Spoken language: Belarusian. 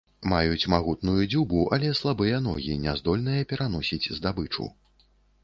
Маюць магутную дзюбу, але слабыя ногі, няздольныя пераносіць здабычу.